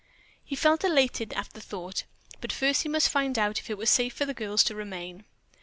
He felt elated at the thought, but first he must find out if it were safe for the girls to remain.